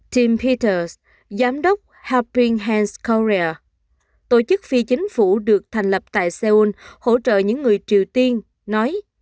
tim peters giám đốc helping hands korea tổ chức phi chính phủ được thành lập tại seoul hỗ trợ những người triều tiên nói